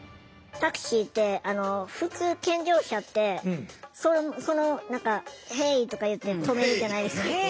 タクシーって普通健常者って何か「ヘイ！」とか言って止めるじゃないですか。